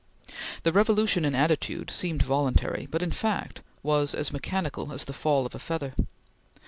The revolution in attitude seemed voluntary, but in fact was as mechanical as the fall of a feather.